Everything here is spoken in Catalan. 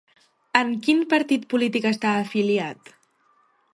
En quin partit polític està afiliat?